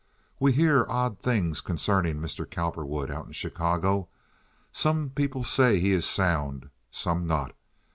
"We hear odd things concerning Mr. Cowperwood out in Chicago. Some people say he is sound—some not.